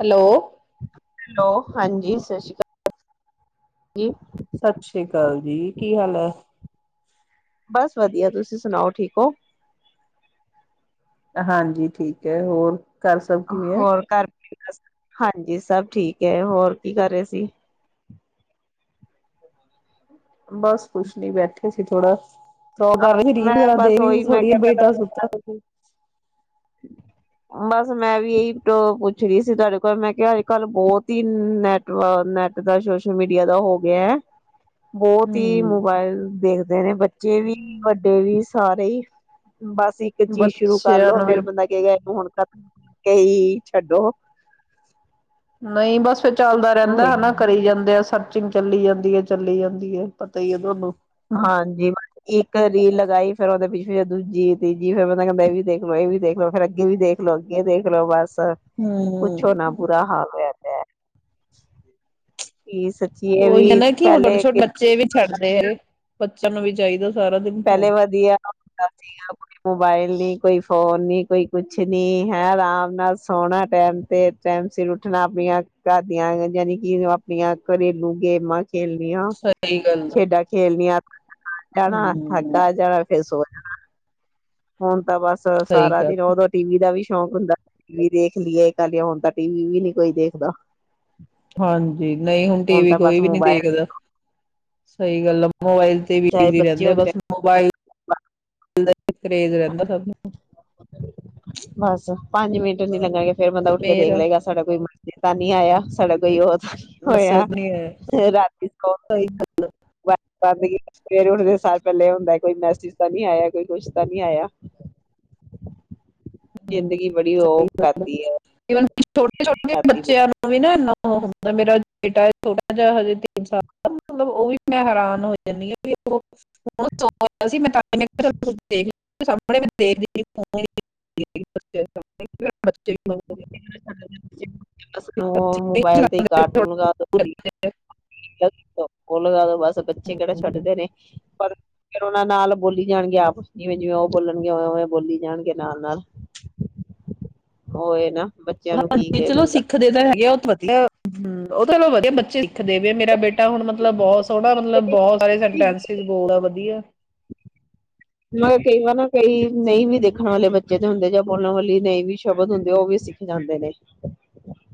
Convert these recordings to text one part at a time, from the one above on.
Hello? Hello ਹਾਂਜੀ। ਸਤਿ ਸ਼੍ਰੀ ਅਕਾਲ। ਸਤਿ ਸ੍ਰੀ ਅਕਾਲ ਜੀ ਕੀ ਹਾਲ ਹੈ। ਬਸ ਵਧੀਆ ਤੁਸੀਂ ਸੁਣਾਓ ਠੀਕ ਹੋ। ਹਾਂਜੀ, ਠੀਕ ਹੈ ਹੋਰ। ਘਰ ਸਭ ਕਿਵੇਂ ਹੈ? ਹੋਰ ਘਰ ਹਾਂਜੀ ਸਭ ਠੀਕ ਹੈ। ਹੋਰ ਕੀ ਕਰ ਰਹੇ ਸੀ? ਬਸ ਕੁੱਛ ਨੀ ਬੈਠਿਆ ਸੀ, ਥੋੜਾ। ਉਹ ਕਰ ਮੈਂ ਰੀਗ ਕਰ ਬਸ ਦੇਵ ਉਹੀ ਮੈਂ ਥੋੜੀ ਕਿਹਾ ਮੈਂ ਬੇਟਾ ਸੁਤਾ। ਤੁਹਾਨੂੰ ਬਸ ਮੈਂ ਵੀ ਇਹੀ ਪੁੱਛ ਰਹੀ ਸੀ ਤੁਹਾਡੇ ਕੋਲ ਮੈਂ ਕਿਹਾ ਅੱਜ ਕਲ ਬਹੁਤ ਹੀ ਨੈਟ ।ਨੈਟ ਦਾ ਸੋਸ਼ਲ ਮੀਡੀਆ ਦਾ ਹੋ ਗਿਆ ਹੈ। ਬਹੁਤ ਹੀ ਹਮ ਮੋਬਾਇਲ ਦੇਖਦੇ ਨੇ ਬ ਬੱਚੇ ਵੀ ਵੱਡੇ ਵੀ ਸਾਰੇ ਹੀ। ਬਸ ਇੱਕ ਚੀਜ਼ ਸ਼ੁਰੂ ਬੱਚਿਆਂ ਕਰਲੋ। ਨੂੰ ਵੀ ਫੇਰ ਬੰਦਾ ਕਹੇਗਾ ਕਿ ਹੁਣ ਕਈ ਛੱਡੋ ਨਹੀਂ ਬਸ ਇੱਥੇ ਚੱਲਦਾ ਉਹੀ ਰਹਿੰਦਾ ਹਨਾ ਕਰੀ ਜਾਂਦੇ ਆ ਸਭ ਚਿੰਗ ਚੱਲੀ ਜਾਂਦੀ ਹੈ, ਚੱਲੀ ਜਾਂਦੀ ਹੈ, ਪਤਾ ਹੀ ਹੈ ਤੁਹਾਨੂੰ। ਹਾਂਜੀ, ਇੱਕ ਰੀਲ ਲਗਾਈ ਫਿਰ ਉਹਦੇ ਪ ਫੇਰ ਦੂਜੀ, ਤੀਜੀ ਫਿਰ ਬੰਦਾ ਕਹਿੰਦਾ ਇਹ ਵੀ ਦੇਖਲੋ, ਇਹ ਵੀ ਦੇਖਲੋ ਫੇਰ, ਅੱਗੇ ਵੀ ਦੇਖਲੋ, ਅੱਗੇ ਦੇਖਲੋ ਬਸ। ਪੁੱਛੋ ਹਮ ਨਾ ਬੁਰਾ ਹਾਲ ਹੋਇਆ ਪਿਆ। [inaudible] ਕਿ ਸੱਚੀ ਇਹ ਉਹੀ ਹੈ ਵੀ ਨਾ ਕਿ ਹੁਣ ਛੋਟੇ ਪਹਿਲੇ -ਛੋਟੇ ਬੱਚੇ ਵੀ ਨੀ ਛੱਡਦੇ ਹੈਗੇ ਬੱਚਿਆਂ ਨੂੰ ਵੀ ਚਾਹੀਦਾ ਸਾਰਾ ਦਿਨ ਪਹਿਲੇ ਫੋਨ ਵਧੀਆ ਹੁੰਦਾ ਸੀ ਗਾ ਕੋਈ ਮੋਬਾਈਲ ਨੀ ਕੋਈ ਫੋਨ ਨੀ। ਕੋਈ ਕੁਛ ਨੀ ਹੈ, ਆਰਾਮ ਨਾਲ ਸੋਣਾ ਟੈਮ ਤੇ, ਟੈਮ ਸਿਰ ਉੱਠਣਾ, ਆਪਣੀਆਂ ਘਰ ਦੀਆਂ ਜਾਣੀ ਕਿ ਆਪਣੀਆਂ ਘਰੇਲੂ ਗੇਮਾਂ ਖੇਲਣੀਆਂ, ਸਹੀ ਗੱਲ ਖੇਡਾਂ ਖੇਲਣੀਆਂ ਬਾਹਰ ਜਾਣਾ ਥੱਕ ਹਮ ਹਾਰ ਜਾਣਾ ਫੇਰ ਸੌ ਜਾਣਾ। ਹਾਂ ਹੁਣ ਤਾਂ ਬਸ ਸਹੀ ਸਾਰਾ ਗੱਲ ਦਿਨ ਉਦੋਂ ਟੀਵੀ ਦਾ ਵੀ ਸ਼ੌਕ ਹੁੰਦਾ ਸੀ ਟੀਵੀ ਦੇਖ ਲਈਏ, ਏਹ ਕ੍ਰ ਲਈਏ ਹੁਣ ਤਾਂ ਟੀਵੀ ਨੀ ਕੋਈ ਦੇਖਦਾ। ਹਾਂਜੀ, ਨਹੀਂ ਹੁਣ ਟੀਵੀ ਤਾਂ ਬਸ ਕੋਈ ਵੀ ਨੀ ਮੋਬਾਇਲ ਦੇਖਦਾ, ਸਹੀ ਗੱਲ ਆ ਮੋਬਾਈਲ ਤੇ ਚਾਹੇ ਬਿਜ਼ੀ ਬੱਚੇ ਰਹਿੰਦੇ ਆ ਹੋਣ ਬਸ। ਚਾਹੇ ਮੋਬਾਈਲ। ਕਰੇਜ਼ ਰਹਿੰਦਾ ਸਭ ਨੂੰ। ਬਸ ਪੰਜ ਮਿੰਟ ਨੀ ਲੱਗਾਏ ਫੇਰ ਬੰਦਾ ਉੱਠ ਕੇ ਦੇਖ ਮੇਰਾ ਲਏਗਾ, ਸਾਡਾ ਕੋਈ ਤਾਂ ਨੀ ਆਇਆ, ਸਾਡਾ ਕੋਈ ਉਹ ਬਸ ਹੋਇਆ ਨੀ ਹੈ ਰਾਤੀ ਸਹੀ ਸੌਂਦੇ ਬੰਦ ਕੀਤਾ ਫਿਰ ਉੱਠਦੇ ਸਾਰ ਪਹਿਲੇ ਏਹ ਹੁੰਦਾ ਕੋਈ ਮੈਸੇਜ ਤਾਂ ਨਹੀਂ ਆਇਆ ਕੋਈ ਕੁਛ ਤਾਂ ਨਹੀਂ ਆਇਆ। ਹੂੰ, ਜ਼ਿੰਦਗੀ ਬੜੀ ਸਹੀ ਉਹ ਗੱਲ ਆ। ਕਰਦੀ ਹੈ। ਈਵਨ ਛੋਟੇ ਛੋਟੇ ਬੱਚਿਆਂ ਨੂੰ ਵੀ ਨਾ ਇਹਨਾ [unintelligible] [unintelligible] ਫਿਰ ਅਸੀਂ ਨਹੀਂ ਮੋਬਾਈਲ ਤੇ ਚਲਾਉਂਦੇ, ਫਿਰ ਥੋੜਾ ਕਾਰਟੂਨ ਲਗਾ ਦੂਰ ਦਿੰਦੀ। ਰੱਖਦੇ ਆ। ਉਹ ਲਗਾ ਦੋ ਬਸ, ਬੱਚੇ ਕਿਹੜਾ ਹੂੰ। ਛੱਡਦੇ ਨੇ ਪਰ ਫਿਰ ਉਹਨਾਂ ਨਾਲ ਬੋਲੀ ਜਾਣਗੇ, ਆਪ ਜਿਵੇਂ ਜਿਵੇਂ ਉਹ ਬੋਲਣਗੇ ਉਵੇਂ ਉਵੇਂ ਬੋਲੀ ਜਾਣਗੇ ਨਾਲ ਨਾਲ ਉਹੀ ਨਾ ਨਾ ਹਾਂਜੀ, ਚਲੋ ਸਿੱਖਦੇ ਤਾਂ ਹੈਗੇ ਆਉੱਥੇ। ਹੂੰ ਉਹ ਨਾਲੋ ਵਧੀਆ ਬੱਚੇ ਸਿੱਖਦੇ ਵੀ ਮੇਰਾ ਬੇਟਾ ਹੁਣ ਮਤਲਬ ਬਹੁਤ ਸੋਹਣਾ ਮਤਲਬ ਬਹੁਤ ਸਾਰੇ ਸੈਂਟੈਂਸਸ ਬੋਲਦਾ ਵਧੀਆ। ਮੈ ਕਈ ਵਾਰ ਨਾ ਕਈ ਨਹੀਂ ਵੀ ਦੇਖਣ ਵਾਲੇ ਬੱਚੇ ਦੇ ਹੁੰਦੇ ਜਾਂ ਬੋਲਣ ਵਾਲੀ ਨਹੀਂ ਵੀ ਸ਼ਬਦ ਹੁੰਦੇ ਉਹ ਵੀ ਸਿੱਖ ਜਾਂਦੇ ਨੇ।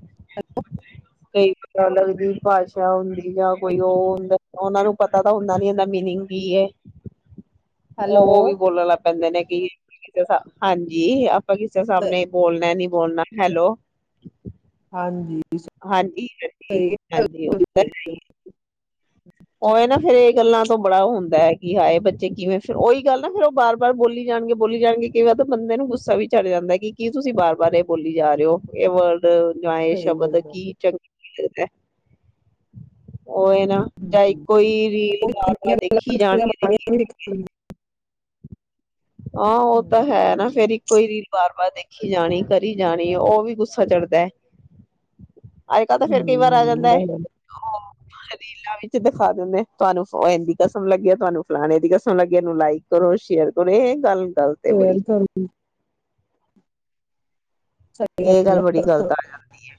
[inaudible] ਕਈ ਅਲਗ ਜੀ ਭਾਸ਼ਾ ਹੁੰਦੀ ਜਾਂ ਕੋਈ ਉਹ ਹੁੰਦਾ ਉਹਨਾਂ ਨੂੰ ਪਤਾ ਤਾਂ ਹੁੰਦਾ ਨੀ ਇਹਦਾ ਮੀਨਿੰਗ ਕੀ ਹੈ? ਹੈਲੋ। ਉਹ-ਉਹ ਵੀ ਬੋਲਣ ਲੱਗ ਪੈਂਦੇ ਨੇ। ਕਿਸ ਹਾਂਜੀ ਆਪ। ਕਿਸੇ ਸਾਮਣੇ ਇਹ ਬੋਲਣਾ ਨੀ। ਬੋ ਹੈਲੋ ਹਾਂਜੀ। ਹਾਂਜੀ- ਸਹੀ ਹਾਂਜੀ। ਸਹੀ ਉਹਵੇ ਨਾ ਫੇਰ ਇਹ ਗੱਲਾਂ ਤੋਂ ਬੜਾ ਉਹ ਹੁੰਦਾ ਹੈ ਕਿ ਹਾਏ ਬੱਚੇ ਕਿਵੇਂ ਫਿਰ ਉਹੀ ਗੱਲ ਨਾ ਫੇਿਰ ਉਹ ਬਾਰ-ਬਾਰ ਬੋਲੀ ਜਾਣਗੇ, ਬੋਲੀ ਜਾਣਗੇ ਕਈ ਵਾਰ ਬੰਦੇ ਨੂੰ ਗੁੱਸਾ ਵੀ ਚਡ ਜਾਂਦਾ ਹੈ, ਕੀ ਤੁਸੀਂ ਬਾਰ-ਬਾਰ ਇਹ ਬੋਲੀ ਜਾ ਰਹੇ ਹੋ ਇਹ ਵਰਡ। ਗਾਏ ਸ਼ਬਦ ਗੱਲ ਆ। ਕੀ ਚੰਗੇ [unintelligible] ੳਹ ਨਾ ਜਾਂ ਕੋਈ ਰੀਲ ਬਾਰ ਬਾਰ ਦੇਖੀ ਜਾਣਗੇਖ ਹਾਂ ਉਹ ਤਾਂ ਹੈ ਨਾ ਫੇਰ ਇੱਕੋ ਹੀ ਰੀਲ ਬਾਰ ਬਾਰ ਦੇਖੀ ਕਰੀ ਜਾਣੀ, ਕਰੀ ਜਾਣੀ ਉਹ ਵੀ ਗੁੱਸਾ ਚੜ੍ਹਦਾ ਹੈ। ਆੲਏਗਾ ਤਾਂ ਫੇਰ ਕਈ ਵਾਰ ਆ ਜਾਂਦਾ ਹੈ ਰੀਲਾਂ ਵਿੱਚ ਦਿਖਾ ਦਿੰਦੇ ਤੁਹਾਨੂੰ ਇਹਂਦੀ ਕਸਮ ਲੱਗੀ ਹੈ ਤੁਹਾਨੂੰ ਫਲਾਣੇ ਦੀ ਕਸਮ ਲੱਗੀ ਇਹਨੂੰ ਲਾਈਕ ਕਰੋ ਸ਼ੇਅਰ ਇਹ ਗੱਲ ਗਲਤ ਏ ਬੜੀ [unintelligible] ਇਹ ਗੱਲ ਬੜੀ ਗ਼ਲਤ ਆ ਜਾਂਦੀ ਹੈ।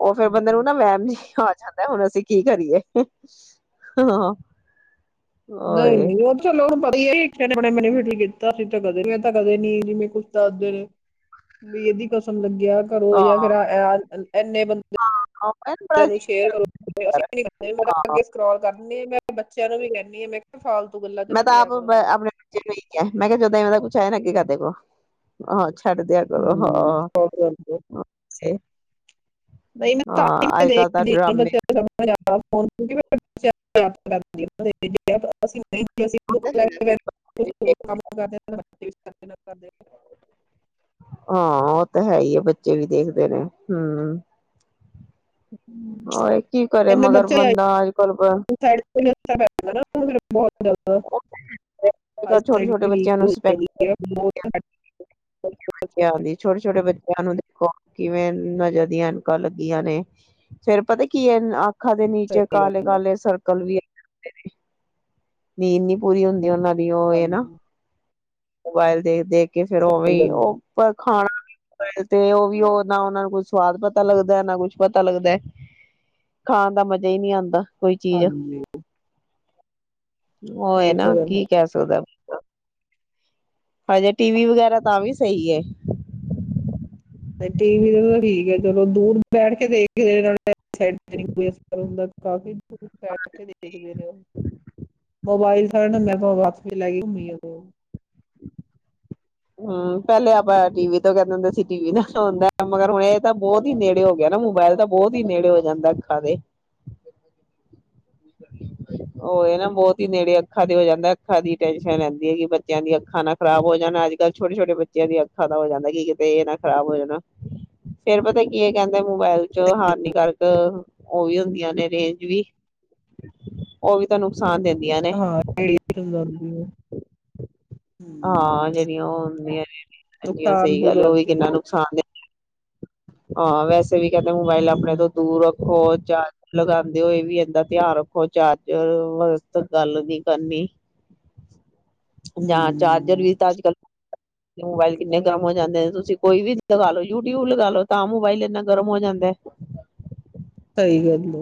ਉਹ ਫੇਿਰ ਬੰਦੇ ਨੂੰ ਨਾ ਵਹਿਮ ਜਿਆ ਹੀ ਆ ਜਾਂਦਾ ਹੈ। ਹੁਣ ਅਸੀਂ ਕੀ ਕਰੀਏ ਹਾਂ? ਨਹੀਂ- ਓਏ ਨਹੀਂ ਉਹ ਚੱਲੋ ਹੁਣ ਪਤਾ ਆਪਣਾ ਮੈਰੀ ਫੈਰਢ ਨੇ ਕੀਤਾ ਅਸੀ ਤਾਂ ਕਦੇ ਨੀ, ਮੈ ਤਾਂ ਕਦੇ ਨੀ, ਜਿਵੇਂ ਕੁਛ ਦੱਸਦੇ ਨੇ ਵੀ ਇਹਏਦੀ ਕਸਮ ਲੱਗੀ ਕਿਆ ਕਰੋ ਜਾਂ ਫਿਰ ਹਾਂ ਇੰਨੇ ਬੰਦੇ ਤੇ ਬੜਾ ਇਹਨੂੰ ਅਜੀਬ ਸ਼ੇਅਰ ਕਰੋ, ਅਸੀ ਜਿਹਾ। ਵੀ ਨੀ ਕਰਦੇ, ਮੈਂ ਤਾਂ ਹਾਂ ਅੱਗੇ ਸਕਰੋਲ ਕਰ ਦਿੰਦੀ ਆ ਮੈਂ ਬੱਚਿਆਂ ਨੂੰ ਵੀ ਕਹਿੰਦੀ ਆ, ਮੈਂ ਕਿਹਾ? ਫਾਲਤੂ ਗੱਲਾਂ ਤੇ ਮੈਂ ਨਾ ਤਾਂ ਪਿਆ ਆਪ ਕਰੋ ਤੁਸੀਂ ਆਪਣੇ ਬੱਚੇ ਨੂੰ ਇਹੀ ਕਿਹਾ, ਮੈਂ ਕਿਹਾ, ਜਦੋਂ ਇਵੇਂ ਦਾ ਕੁੱਛ ਆਇਆ ਨਾ ਅੱਗੇ ਕਰ ਦੋ। ਦੇਖੋ, ਹਾਂਜੀ। ਛੱਡ, ਦਿਆ ਕਰੋ ਹਮ ਹਾਂ। ਹਾਂ ਅੱਜ ਕੱਲ ਤਾਂ ਡਰਾਮੇ [unintelligible] ਅਸੀ [unintelligible] [unintelligible] ਹਾਂ ਉਹ ਤਾਂ ਹੈ ਹੀ ਏ ਬੱਚੇ ਵੀ ਦੇਖਦੇ ਨੇ, ਹੂੰ ਹਾਏ, ਕੀ ਕਰੇ ਇਹਨੇ ਮਗਰ ਬੱਚੇ ਆਈ ਬੰਦਾ ਅੱਜਕੱਲ ਪ [unintelligible] ਛੋਟੇ ਛੋਟੇ ਬੱਚਿਆਂ ਨੂੰ [unintelligible] ਸਪੈਕਸ [inaudible] ਹਾਂਜੀ- ਹਾਂਜੀ ਛੋਟੇ- ਛੋਟੇ ਬੱਚੇ ਇਨ੍ਹਾਂ ਨੂੰ ਦੇਖੋ ਕਿਵੇਂ ਨਜ਼ਰ ਦੀਆਂ ਐਨਕਾਂ ਲੱਗੀਆਂ ਨੇ, ਫੇਰ ਪਤਾ ਕੀ ਹੈ। ਅੱਖਾਂ ਦੇ ਨੀਚੇ ਸਹੀ ਕਾਲੇ- ਗੱਲ ਹੈ ਕਾਲੇ ਸਰਕਲ ਵੀ ਆ ਗ [inaudible] ਨੀਂਦ ਨੀ ਪੂਰੀ ਹੁੰਦੀ ਉਹਨਾਂ ਦੀ ਇਹ ਉਹਏ ਨਾ। ਹਾਂਜੀ ਮੋਬਾਈਲ ਦੇਖ- ਦੇਖ ਕੇ ਫੇਰ ਉਹ ਵੀ ਸਹੀ ਗੱਲ ਹੈ ਉਹ ਪਰ ਖਾਣਾ ਤੇ ਉਹ ਵੀ ਉਹ ਨਾ ਉਹਨਾ ਨੂੰ ਕੁਈ ਸਵਾਦ ਪਤਾ ਲੱਗਦਾ, ਨਾ ਕੁੱਛ ਪਤਾ ਲੱਗਦਾ, ਖਾਣ ਦਾ ਮਜਾ ਨਹੀਂ ਆਂਦਾ। ਹਾਂਜੀ ਹੋਏ ਇਹ ਨਾ ਤਾਂ ਗੱਲ ਕੀ ਕਹਿ ਸਕਦਾ ਬੰਦਾ ਹਜੇ, ਟੀਵੀ ਵਗੈਰਾ ਤਾਂ ਵੀ ਸਹੀ ਏ। ਟੀ ਵੀ ਤੇ ਠੀਕ ਆ ਚਲੋ, ਦੂਰ ਬੈਠ ਕੇ ਦੇਖ ਹੀ ਰਹੇ ਨੇ ਨਾਲ਼ੇ ਆਈ ਸਾਈਡ ਤੇ ਕੋਈ ਅਸਰ ਨਹੀਂ ਹੁੰਦਾ, ਕਾਫੀ ਦੂਰ ਬੈਠ ਕੇ ਦੇਖਦੇ ਨੇ ਉਹ ਮੋਬਾਇਲ ਸ ਮੈਂ ਵਾਪਸ ਲੈ ਗਈ ਹੁਣੀ ਖੋਲ ਹਾਂ ਪਹਿਲੇ ਆਪਾਂ ਟੀ ਵੀ ਤੋਂ ਕਹਿੰਦੇ ਹੁੰਦੇ ਸੀ ਟੀ ਵੀ ਨਾਲ ਹੁੰਦਾ, ਮਗਰ ਹੁਣ ਇਹ ਤਾਂ ਬਹੁਤ ਹੀ ਨੇੜੇ ਹੋ ਗਿਆ, ਨਾ ਮੋਬਾਇਲ ਤਾਂ ਬਹੁਤ ਹੀ ਨੇੜੇ ਹੋ ਜਾਂਦਾ ਅੱਖਾਂ ਦੇ, ਉਹ ਇਹ ਨਾ ਬਹੁਤ ਹੀ ਨੇੜੇ ਅੱਖਾਂ ਦੇ ਹੋ ਜਾਂਦਾ ਅੱਖਾਂ ਦੀ ਟੈਨਸ਼ਨ ਰਹਿੰਦੀ ਹੈ, ਕਿ ਬੱਚਿਆਂ ਦੀ ਅੱਖਾਂ ਨਾ ਖ਼ਰਾਬ ਹੋ ਜਾਣਾ ਅੱਜ ਛੋਟੇ ਛੋਟੇ ਬੱਚਿਆਂ ਦੀਆਂ ਅੱਖਾਂ ਦਾ ਹੋ ਜਾਂਦਾ ਕੀ ਕਿਤੇ ਇਹ ਨਾ ਖਰਾਬ ਹੋ ਜਾਣਾ ਫੇਰ ਪਤਾ ਕੀ ਹੈ ਕਹਿੰਦੇ ਮੋਬਾਇਲ 'ਚ ਹਾਨੀਕਾਰਕ ਉਹ ਵੀ ਹੁੰਦੀਆਂ ਨੇ ਰੇਂਜ ਵੀ, ਉਹ ਵੀ ਤੁਹਾਨੂੰ [unintelligible] ਹਮ ਹਾਂ ਜਿਹੜੀਆਂ ਉਹ ਹੁੰਦੀਆਂ ਰਹਿੰਦੀਆਂ, ਦੁਕਾਨ ਸਹੀ ਗੱਲ ਬੁਰਾ ਉਹ ਵੀ ਹੁੰਦੀ ਹੈ ਕਿੰਨਾ ਨੁਕਸਾਨ ਦਿੰਦੀਆਂ। ਹਾਂ ਵੈਸੇ ਵੀ ਕਦੇ ਮੋਬਾਈਲ ਆਪਣੇ ਹਮ ਤੋਂ ਦੂਰ ਰੱਖ ਹੋਰ ਚਾਰਜਰ ਲਗਾਉਂਦੇ ਹੋਏ ਵੀ ਇੰਦਾ ਧਿਆਨ ਰੱਖੋ ਚਾਰਜਰਸਤ ਗੱਲ ਨੀ ਕਰਨੀ। ਜਾਂ ਚਾਰਜਰ ਹਮ ਵੀ ਤਾਂ ਅੱਜ ਕੱਲ ਮੋਬਾਇਲ ਕਿੰਨੇ ਗਰਮ ਹੋ ਜਾਂਦੇ ਨੇ ਤੁਸੀਂ ਕੋਈ ਵੀ ਦਿਖਾ ਲੋ। ਯੂਟਿਊਬ ਲਗਾ ਲੋੋ ਤਾਂ ਮੋਬਾਈਲ ਇੰਨਾ ਗਰਮ ਹੋ ਜਾਂਦਾ ਏ। ਸਹੀ ਗੱਲ ਹੈ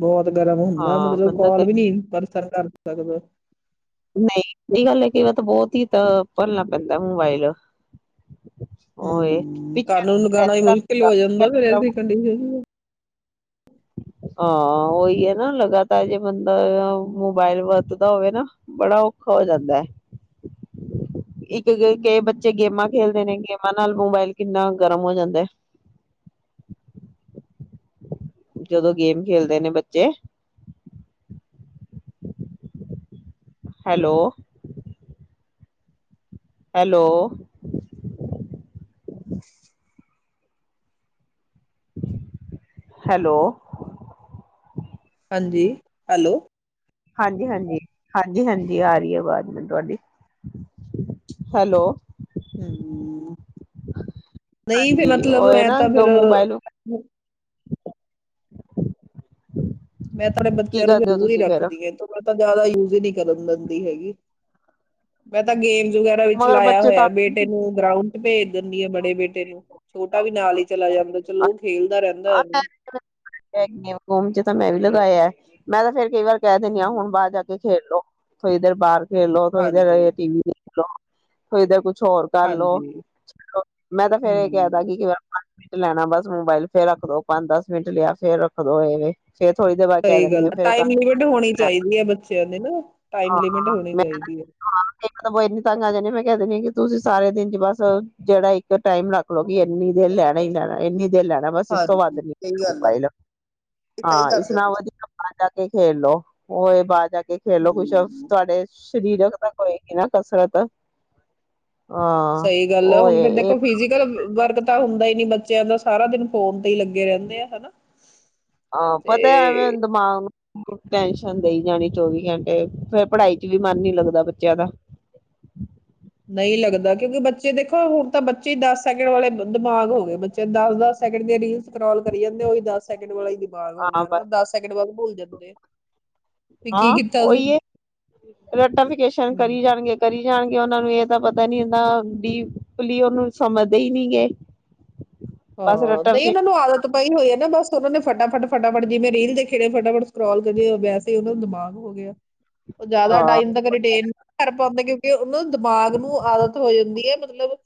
ਬਹੁਤ ਗਰਮ ਹੁੰਦਾ ਹਾਂ ਮਤਲਬ ਬੰਦਾ ਕੋਲ ਵੀ ਨੀ ਪਰਸਰ ਕਰ। [unintelligible] ਨਹੀਂ ਇਹ ਗੱਲ ਹੈ ਕ ਵਾਰ ਤਾਂ ਬਹੁਤ ਹੀ ਤਾਂ ਭਰਨਾ ਪੈਂਦਾ ਮੋਬਾਇਲ ਹੂੰ, ਘਰ ਨੂੰ ਲੱਗਾਨਾ ਮੁਸ਼ਕਿਲ ਹੋ ਜਾਂਦਾ ਫੇਰ ਹਾਂ ਐਸੀ ਕੰਡੀਸ਼ਨ ਚ ਹਾਂ ਉਹੀ ਹੈ ਨਾ ਲਗਾਤਾਰ ਜੇ ਬੰਦਾ ਮੋਬਾਇਲ ਵਰਤਦਾ ਹੋਵੇ ਨਾ, ਬੜਾ ਔਖਾ ਹੋ ਜਾਂਦਾ ਐ, ਇੱਕ ਕਈ ਬੱਚੇ ਗੇਮਾਂ ਖੇਲਦੇ ਨੇ, ਗੇਮਾਂ ਨਾਲ ਮੋਬਾਇਲ ਕਿੰਨਾ ਗਰਮ ਹੋ ਜਾਂਦਾ ਐ। ਜਦੋਂ ਗੇਮ ਖੇਲਦੇ ਨੇ ਬੱਚੇ, ਹੈਲੋ ਹੈਲੋ। ਹੈਲੋ। ਹਾਂਜੀ, ਹੈਲੋ। ਹਾਂਜੀ-ਹਾਂਜੀ, ਹਾਂਜੀ-ਹਾਂਜੀ ਆ ਰਹੀ ਐ ਆਵਾਜ਼ ਮੈਨੂੰ ਤੁਹਾਡੀ, ਹੈਲੋ। ਹੂੰ। ਨਹੀਂ ਫੇਰ ਹਾਂਜੀ ਉਹ ਮਤਲਬ ਇਹ ਐ ਨਾ ਤਾਂ ਫੇਰ ਮੋਬਾਇਲ ਮੈਂ ਤੇ ਅਪਨੇ ਕੀ ਬੱਚਿਆਂ ਨੂੰ ਕਰਦੇ ਹੋ ਦੂਰ ਹੀ ਤੁਸੀਂ ਫੇਰ ਰੱਖਦੀ ਆਂ ਇਹ ਤੋਂ ਬਾ ਤਾਂ ਜ਼ਿਆਦਾ ਯੂਜ ਹੀ ਨਹੀਂ ਕਰਨ ਦਿੰਦੀ ਹੈਗੀ, ਮੈਂ ਤਾਂ ਗੇਮ ਵਗੈਰਾ ਵਿੱਚ ਮਗਰ ਲਾਇਆ ਬੱਚੇ ਤਾਂ ਹੋਇਆ, ਬੇਟੇ ਨੂੰ ਗਰਾਊਂਡ ਚ ਭੇਜ ਦੇਨੀ ਆਂ ਬੜੇ ਬੇਟੇ ਨੂੰ, ਛੋਟਾ ਵੀ ਨਾਲ ਹੀ ਚਲਾ ਜਾਂਦਾ ਚਲੋ ਖੇਲਦਾ ਰਹਿੰਦਾ ਐਵੇਂ [unintelligible] ਚ ਤਾਂ ਮੈਂ ਵੀ ਲਗਾਇਆ, ਮੈਂ ਤਾਂ ਫੇਰ ਕਈ ਵਾਰ ਕਹਿ ਦਿੰਨੀ ਹਮ, ਆਂ ਹੁਣ ਬਾਹਰ ਜਾ ਕੇ ਖੇਡ ਲੋ। ਫੇਰ ਇਧਰ ਬਾਹਰ ਖੇਲ ਲੋ ਫੇਰ ਹਾਂਜੀ ਇਧਰ ਟੀ ਵੀ ਹੋਇਦਾ ਕੁਛ ਕੁਛ ਹੋਰ ਕਰਲੋ, ਹਾਂਜੀ ਮੈਂ ਤਾਂ ਫੇਰ ਇਹ ਕਹਿ ਹੂੰ ਦਾਗੀ ਕਿ ਲੈਣਾ ਬਸ ਮੋਬਾਈਲ। ਫੇਰ ਰੱਖਦੋ ਪੰਜ ਦਸ ਮਿੰਟ ਲਿਆ, ਫੇਰ ਰੱਖ ਦੋ ਐਵੇਂ। ਸਹੀ ਗੱਲ ਐ, ਟਾਈਮ ਲਿਮਿਟ ਹੋਣੀ ਚਾਹੀਦੀ ਹੈ ਬ [unintelligible] ਨਾ ਟਾਈਮ ਲਿਮਿਟ ਹੋਨੀ ਚਾਹੀਦੀ ਐ। ਸਗੈ ਇੰਨੀ ਤੰਗ ਆ ਜਾਂਣੀ ਮੈਂ ਕਹਿ ਦਿੰਦੀ ਕਿ ਤੁਸੀਂ ਸਾਰੇ ਦਿਨ ਚ ਬਸ ਜਿਹੜਾ ਇੱਕ ਟਾਈਮ ਰੱਖਲਓ ਕਿ ਇੰਨੀ ਦੇਰ ਲੈਣਾ ਹੀ ਲੈਣਾ ਇੰਨੀ ਲੈਣਾ ਬਸ ਇਸ ਤੋਂ ਵੱਧ ਹਾਂਜੀ ਨੀ ਸਹੀ ਐ ਗੱਲ ਆ ਮੋਬਾਈਲ, ਇਹ ਸਹੀ ਹਾਂ ਇਸ ਕਰਦੇ ਨਾਲ ਤੁਸੀਂ ਵਧੀਆ ਬਾਹਰ ਜਾ ਕੇ ਖੇਲ ਲੋ, ਹੋਏ ਬਾਹਰ ਜਾ ਕੇ ਖੇਲੋ ਕੁਛ ਹੂੰ ਤੁਹਾਡੇ ਸਰੀਰਕ ਤਾਂ [unintelligible] ਕਸਰਤ ਹਾਂ ਸਹੀ ਗੱਲ ਐ ਉਹ ਹੁਣ ਫੇਰ ਇਹ ਦੇਖੋ ਫਿਜੀਕਲ ਵਰਕ ਪੱਕਾ ਹੁੰਦਾ ਹੀ ਨੀ ਬੱਚਿਆਂ ਦਾ ਸਾਰਾ ਦਿਨ ਫੋਨ ਤੇ ਹੀ ਲੱਗੇ ਰਹਿੰਦੇ ਆ, ਹੈ ਨਾ। ਹਾਂ, ਪਤਾ ਐਵੇਂ ਦਿਮਾਗ ਨੂੰ ਟੈਨਸ਼ਨ ਦੇਈ ਜਾਣੀ ਚੌਵੀ ਘੰਟੇ, ਫੇਰ ਪੜ੍ਹਾਈ ਚ ਵੀ ਮਨ ਨਹੀਂ ਲੱਗਦਾ ਬੱਚਿਆਂ ਦਾ। ਨਹੀਂ ਲੱਗਦਾ ਕਿਉਂਕਿ, ਬੱਚੇ ਦੇਖੋ ਹੁਣ ਤਾਂ ਬੱਚੇ ਹੀ ਦਸ ਸੈਕਿੰਡ ਵਾਲੇ ਦਿਮਾਗ ਹੋ ਗਏ ਬੱਚੇ ਦਸ- ਦਸ ਸੈਕਿੰਡ ਦੀ ਰੀਲ ਸਕਰਾਲ ਕਰੀ ਜਾਂਦੇ ਉਹੀ ਦਸ ਸੈਕਿੰਡ ਵਾਲਾ ਦਿ ਮਾਗ ਹੋ ਹਾਂ ਗਿਆ ਬਸ ਨਾ ਦਸ ਸੈਕਿੰਡ ਬਾਅਦ ਭੁੱਲ ਜਾਂਦੇ ਬੀ ਕੀ ਹਾਂ ਕੀਤਾ ਸੀ, ਉਹੀ ਹੈ ਰਟੀਫਿਕੇਸ਼ਨ ਹਮ। ਕਰੀ ਜਾਣਗੇ ਕਰੀ ਜਾਣਗੇ ਉਹਨਾ ਨੂੰ ਇਹ ਤਾਂ ਪਤਾ ਨੀ ਹੁੰਦਾ ਵੀ ਕਲੀਅਰਲੀ ਸਮਝਦੇ ਹੀ ਨਹੀ ਗੇ। ਬਸ ਹਾਂ ਨਹੀਂ ਉਹਨਾਂ ਰਟੀਫਿਕੇਸ਼ਨ ਨੂੰ ਆਦਤ ਪਾਈ ਹੋਈ ਆ ਨਾ ਬਸ ਉਹਨਾ ਨੇ ਫਟਾਫਟ -ਫਟਾਫਟ ਜਿਵੇਂ ਰੀਲ ਦੇਖ ਰਹੇ ਫਟਾਫਟ ਸਕਰੋਲ ਕਰਦੇ ਵੈਸੇ ਉਹਨਾ ਦਾ ਦਿਮਾਗ ਹੋ ਗਿਆ। ਉਹ ਜ਼ਿਆਦਾ ਹਾਂ ਟਾਈਮ ਤੱਕ ਰਿਟੇਨ ਨਹੀਂ ਕਰ ਪਾਉਂਦੇ ਕਿ ਉਹਨਾਂ ਦਿਮਾਗ ਨੂੰ ਆਦਤ ਹੋ ਜਾਂਦੀ ਹੈ ਮਤਲਬ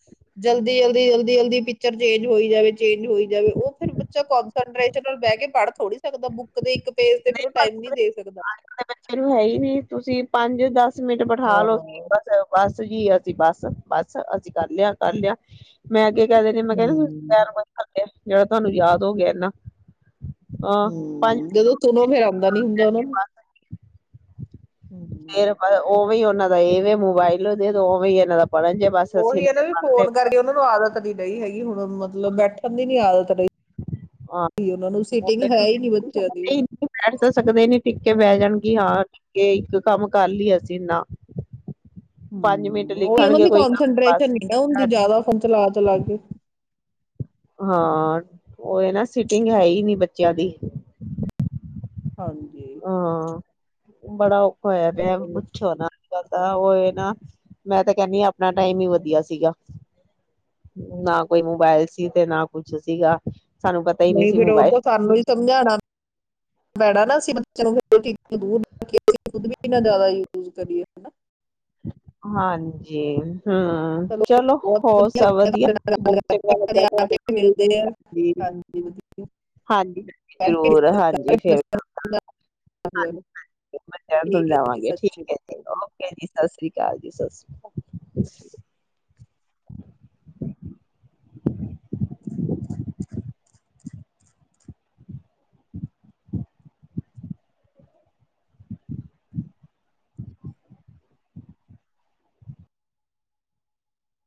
ਜਲਦੀ ਜਲਦੀ, ਜਲਦੀ, ਜਲਦੀ ਪਿਕਚਰ ਚੇਂਜ ਹੋਈ ਜਾਵੇ। ਚੇਂਜ ਹੋਈ ਜਾਵੇ ਉਹ ਫਿਰ ਬੱਚਾ ਕੋਂਸਟਰੇਸ਼ਨ ਨਾਲ ਬਹਿ ਕੇ ਪੜ ਥੋੜੀ ਸਕਦਾ, ਬੁੱਕ ਦੇ ਇੱਕ ਫੇਸ ਤੇ ਫਿਰ ਉਹ ਟਾਈਮ ਨੀ ਦੇ ਸਕਦਾ। ਦੇ ਬੱਚੇ ਨੂੰ ਹੈ ਹੀ ਨਹੀਂ ਤੁਸੀਂ ਪੰਜ ਦਸ ਮਿੰਟ ਬਿਠਾ ਹਾਂ ਲਉ ਸੀ ਬਸ-ਬਸ ਜੀ ਬਸ- ਬਸ ਅਸੀਂ ਕਰ ਲਿਆ, ਕਰ ਲਿਆ ਮੈਂ ਅੱਗੇ ਕਹਿ ਦਿੰਦੀ ਹਾਂ ਮੈ ਕਿਹਾ ਤੁਸੀਂ ਹੂੰ [unintelligible] ਜਿਹੜਾ ਤੁਹਾਨੂੰ ਯਾਦ ਹੋ ਗਿਆ ਨਾ। ਹਮ ਜਦੋਂ ਸੁਣੋ ਫਿਰ ਆਉਂਦਾ ਨੀ ਹੁੰਦਾ ਉਹਨਾ ਨੂੰ। ਹੂੰ ਫਿਰ ਉਹ ਵੀ ਨਾ ਦਾ ਇਹ ਵੇ ਮੋਬਾਈਲ ਦੇ ਦੋ, ਉਵੇਂ ਹੀ ਇਹਨਾਂ ਦਾ ਪੜ੍ਹਨ ਜੇ ਬਸ ਉਹੀ ਅਸੀਂ ਇਹਨਾਂ ਨੀ ਵੀ ਪੜ੍ਹਦੇ ਫੋਨ ਕਰਕੇ ਉਹਨਾਂ ਨੂੰ ਆਦਤ ਨੀ ਰਹੀ ਹੈਗੀ ਹੁਣ। ਮਤਲਬ ਬੈਠਣ ਦੀ ਨੀ ਆਦਤ ਰਹੀ ਆਹ ਉਹਨਾਂ ਨੂੰ ਸੀਟਿੰਗ ਹੈ ਹੀ ਨਹੀਂ ਬੱਚਿਆਂ ਦੀ ਬੈਠ ਤਾਂ ਸਕਦੇ ਨੀ ਟਿੱਕ ਕੇ ਬਹਿ ਹੂੰ ਜਾਣਗੇ ਕਿ ਹਾਂ ਕੇ ਇੱਕ ਕੰਮ ਕਰ ਲਈ ਅਸੀਂ, ਨਾ ਪੰਜ ਮਿੰਟ ਹਮ ਉਹੀ ਹੈ ਨਾ ਲਿਖਣਗੇ ਕੋਈ ਕੰਮ ਬਸ ਕੋਂਸਟਰੇਸ਼ਨ ਨਹੀਂ ਨਾ ਹੁੰਦੀ ਜਿਆਦਾ ਫੋਨ ਚਲਾ -ਚਲਾ ਕੇ। ਹਾਂ ਉਹੀ ਨਾ ਸਿਟਿੰਗ ਹੈ ਹੀ ਨੀ ਬੱਚਿਆਂ ਦੀ। ਹਾਂਜੀ। ਹਾਂ ਬੜਾ ਔਖਾ ਹੋਇਆ ਪਿਆ, ਹੋਰ ਪੁੱਛੋ ਨਾ। ਤਾਂ ਉਹ ਇਹ ਨਾ, ਮੈਂ ਤਾਂ ਕਹਿੰਦੀ ਹਾਂ ਆਪਣਾ ਟਾਈਮ ਹੀ ਵਧੀਆ ਸੀਗਾ, ਨਾ ਕੋਈ ਮੋਬਾਈਲ ਸੀ ਤੇ ਨਾ ਕੁਛ ਸੀਗਾ। ਸਾਨੂੰ ਪਤਾ ਹੀ ਨਹੀਂ ਸੀ ਫਿਰ ਉਹ ਮੋਬਾਇਲ ਤਾਂ ਸਾਨੂੰ ਹੀ ਸਮਝਾਣਾ ਪੈਣਾ ਨਾ, ਅਸੀਂ ਬੱਚਿਆਂ ਨੂੰ ਫੋਨ ਤੋਂ ਦੂਰ ਰਖੀਏ, ਅਸੀਂ ਖੁਦ ਨਾ ਵੀ ਜ਼ਿਆਦਾ ਯੂਜ ਕਰੀਏ, ਹੈ ਨਾ। ਹਾਂਜੀ। ਹਮ, ਚਲੋ ਬਹੁਤ ਹੋਰ ਸਭ ਲੱਗਿਆ ਵਧੀਆ? ਤੁਹਾਡੇ ਨਾਲ ਗੱਲ ਬਹੁਤ ਕਰਕੇ ਚੰਗਾ ਲੱਗਾ ਕਦੇ ਆ ਤੁਹਾਡੇ ਨਾਲ ਗੱਲ ਕੇ ਮਿਲਦੇ ਆ ਕਰ ਕੇ ਜੀ। ਹਾਂਜੀ ਵਧੀਆ ਹਾਂਜੀ, ਕਰਕੇ ਜ਼ਰੂਰ ਡਿਸਕਸ ਹਾਂਜੀ, ਕਰਾਂਗੇ ਬੱਚਿਆਂ ਨਾਲ [unintelligible] ਜੀ ਦੁਬਾਰਾ। ਠੀਕ ਹੈ ਜੀ ਸਤਿ ਸ਼੍ਰੀ ਅਕਾਲ ਓਕੇ ਜੀ ਸਤਿ ਸ਼੍ਰੀ ਅਕਾਲ। ਸਤਿ ਸਰੀ ਅਕਾਲ ਜੀ ਸਤਿ ਸ੍ਰੀ ਅਕਾਲ [unintelligible] ਅੀ [inaudible]